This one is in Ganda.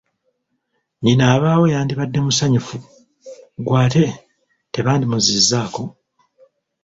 Nnyina abaawo yandibadde musanyufu gw’ate tebandimuzizzaako!